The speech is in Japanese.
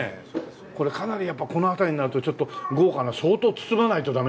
これかなりやっぱこのあたりになるとちょっと豪華な相当包まないとダメでしょ？